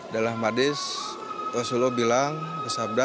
dalam hadis rasulullah bilang kesabda